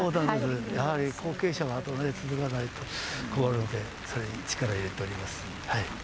やはり後継者が、あとに続かないと、それに力を入れております。